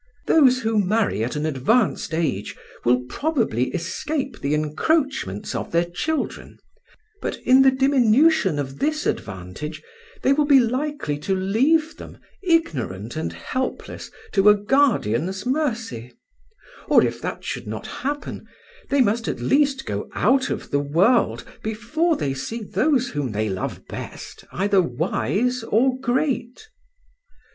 "Those who marry at an advanced age will probably escape the encroachments of their children, but in the diminution of this advantage they will be likely to leave them, ignorant and helpless, to a guardian's mercy; or if that should not happen, they must at least go out of the world before they see those whom they love best either wise or great.